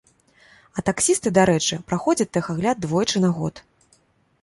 А таксісты, дарэчы, праходзяць тэхагляд двойчы на год.